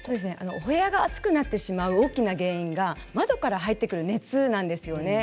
お部屋が暑くなってしまう大きな原因が窓から入ってくる熱なんです。